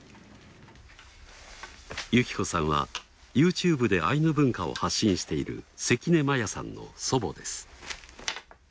雪子さんはＹｏｕＴｕｂｅでアイヌ文化を発信している関根摩耶さんの祖母です。